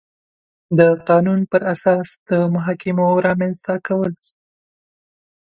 د قانون پر اساس د محاکمو رامنځ ته کول